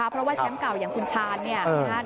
เพราะว่าเช็มเก่าอย่างคุณชาร์มันจุดเต็ม